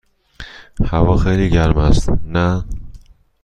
هوا خیلی گرم است، نه؟